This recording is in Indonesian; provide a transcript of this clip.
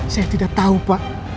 saya tidak tahu pak